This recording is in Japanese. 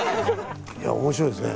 いや面白いですね